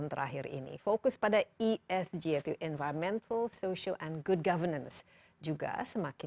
terus terima kasih barangkali